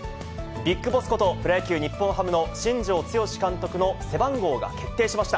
ビッグボスこと、プロ野球・日本ハムの新庄剛志監督の背番号が決定しました。